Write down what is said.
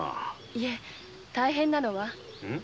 いえ大変なのは。